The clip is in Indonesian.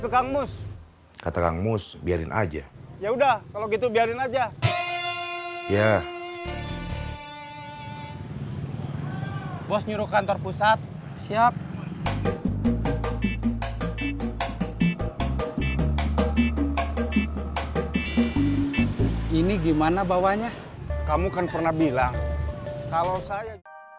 kamu kan pernah bilang kalau saya